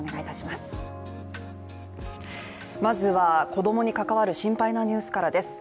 まずは、子供に関わる心配なニュースからです。